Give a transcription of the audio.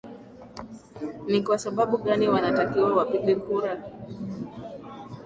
ni kwa sababu gani wanatakiwa wapige kura